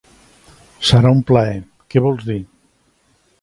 Serà un plaer. Què vols dir?